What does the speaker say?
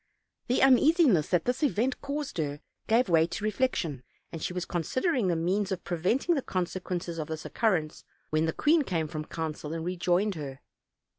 The uneasiness that this event caused her gave way to reflec tion, and she was considering the means of preventing the consequences of this occurrence, when the queen came from council and rejoined her.